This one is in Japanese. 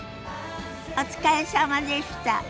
お疲れさまでした。